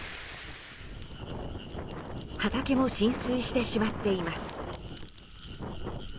畑も浸水してしまっています。